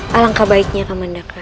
halangkah baiknya kamanda curasi